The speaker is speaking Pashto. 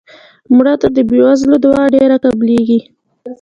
مړه ته د بې وزلو دعا ډېره قبلیږي